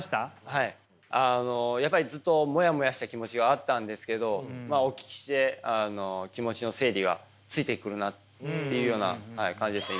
はいあのやっぱりずっとモヤモヤした気持ちがあったんですけどお聞きして気持ちの整理がついてくるなというような感じですね